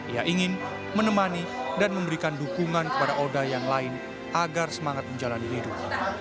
ia ingin menemani dan memberikan dukungan kepada oda yang lain agar semangat menjalani hidup